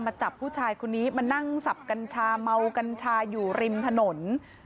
จับผู้ชายคนนี้มานั่งสับกัญชาเมากัญชาอยู่ริมถนน